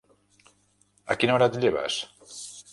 A quina hora et lleves?